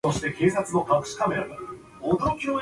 Henry was waiting.